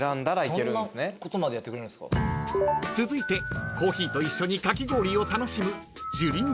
［続いてコーヒーと一緒にかき氷を楽しむＪＵＲＩＮ